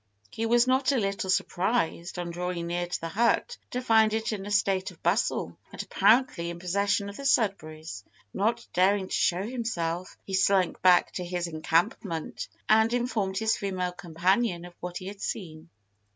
He was not a little surprised, on drawing near to the hut, to find it in a state of bustle, and apparently in possession of the Sudberrys. Not daring to show himself; he slunk back to his encampment, and informed his female companion of what he had seen.